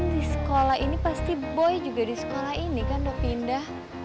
di sekolah ini pasti boy juga di sekolah ini kan dok pindah